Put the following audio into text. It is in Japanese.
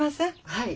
はい。